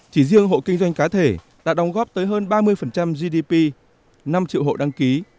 chỉ riêng hộ kinh doanh cá thể đã đóng góp tới hơn ba mươi gdp năm triệu hộ đăng ký